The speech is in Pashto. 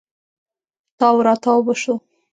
تاو راتاو به سو.